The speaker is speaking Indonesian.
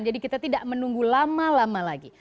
jadi kita tidak menunggu lama lama lagi